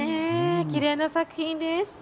きれいな作品です。